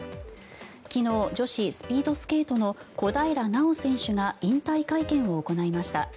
昨日、女子スピードスケートの小平奈緒選手が引退会見を行いました。